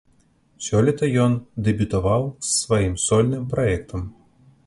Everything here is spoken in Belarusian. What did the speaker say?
Сёлета ён дэбютаваў з сваім сольным праектам.